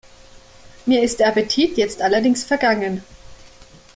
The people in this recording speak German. Mir ist der Appetit jetzt allerdings vergangen.